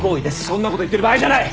そんな事言ってる場合じゃない！